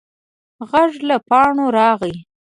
غږ له پاڼو راغی.